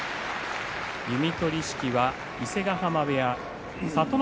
弓取式は伊勢ヶ濱部屋聡ノ